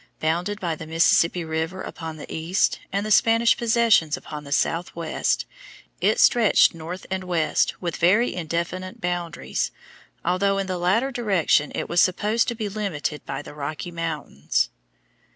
Bounded by the Mississippi River upon the east, and the Spanish possessions upon the southwest, it stretched north and west with very indefinite boundaries, although in the latter direction it was supposed to be limited by the Rocky Mountains.